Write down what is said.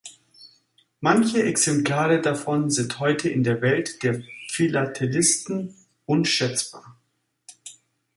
Manche Exemplare davon sind heute in der Welt der Philatelisten unschätzbar.